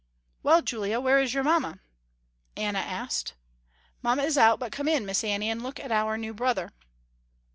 "Well, Julia, where is your mamma?" Anna asked. "Ma is out but come in, Miss Annie, and look at our new brother."